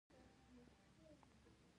افغانستان به سیال کیږي؟